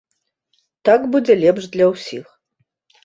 Так будзе лепш для ўсіх.